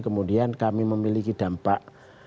kemudian kami memiliki dampak